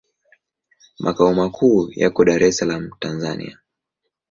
Makao makuu yako Dar es Salaam, Tanzania.